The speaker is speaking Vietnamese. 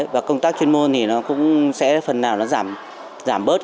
và công tác chuyên môn thì nó cũng sẽ phần nào nó giảm bớt cái gạch